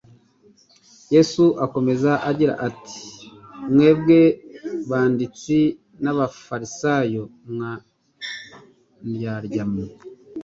Yesu akomeza agira ati; " Mwebwe banditsi n'abafarisayo mwa ndyarya mwe,